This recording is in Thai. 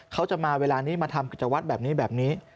เขาจะมาเวลานี้มาทำกิจวัตรแบบนี้แบบนี้